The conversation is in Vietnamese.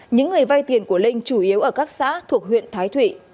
những người vay tiền của linh chủ yếu ở các xã thuộc huyện thái thụy